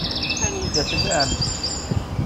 Anida tella ɛemmti-k?